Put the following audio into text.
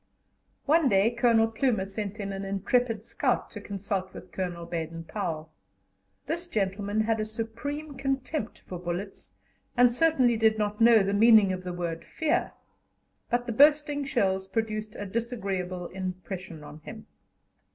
One day Colonel Plumer sent in an intrepid scout to consult with Colonel Baden Powell. This gentleman had a supreme contempt for bullets, and certainly did not know the meaning of the word "fear," but the bursting shells produced a disagreeable impression on him.